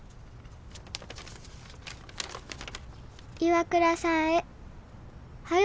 「岩倉さんへはよ